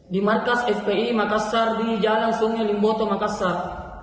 di markas fpi makassar di jalan sungai limboto makassar